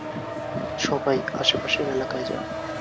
সবাই, আশেপাশের এলাকায় যাও।